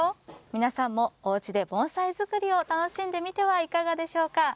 皆さんもおうちで盆栽作りを楽しんでみてはいかがでしょうか。